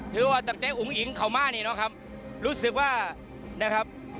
ว่าตั้งแต่อุ๋งอิ๋งเขามานี่เนาะครับรู้สึกว่านะครับ